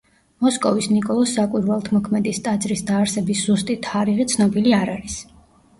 მოსკოვის ნიკოლოზ საკვირველთმოქმედის ტაძრის დაარსების ზუსტი თარიღი ცნობილი არ არის.